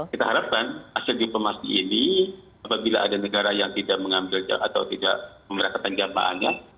kita harapkan hasil diplomasi ini apabila ada negara yang tidak mengambil atau tidak memberangkatkan jamaahnya